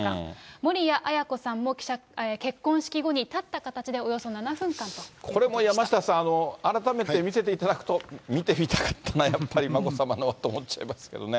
守谷絢子さんも結婚式後に立った形で、これも山下さん、改めて見せていただくと、見てみたかったな、やっぱり眞子さまのと思っちゃいますけどね。